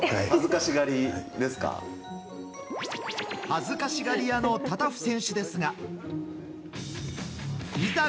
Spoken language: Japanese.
恥ずかしがり屋のタタフ選手ですがいざ